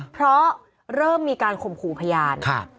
เพราะเริ่มมีการข่มขู่พยาน